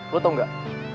lo tau gak